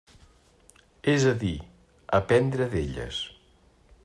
És a dir, aprendre d'elles.